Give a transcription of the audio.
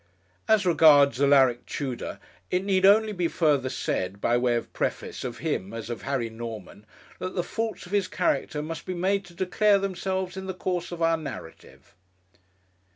As regards Alaric Tudor it need only be further said, by way of preface, of him as of Harry Norman, that the faults of his character must be made to declare themselves in the course of our narrative.